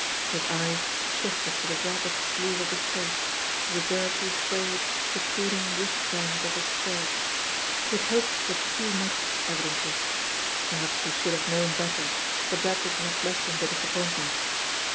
H^s eyes shifted to the ragged sleeve of his coat, to the dir L y, frayed, protruding wristband of his shirt. He had hoped for too much evidently. Perhaps he should have known better, but that did not lessen the disappointment.